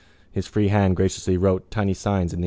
His free hand graciously wrote tiny signs in air.